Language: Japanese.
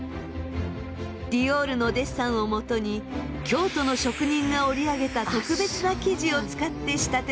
ディオールのデッサンをもとに京都の職人が織り上げた特別な生地を使って仕立てられました。